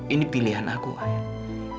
ini pilihan aku ayah